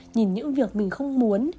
nhìn những việc mình không muốn